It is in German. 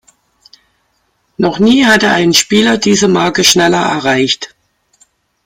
Noch nie hatte ein Spieler diese Marke schneller erreicht.